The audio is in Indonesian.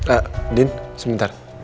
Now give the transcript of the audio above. ah andin sebentar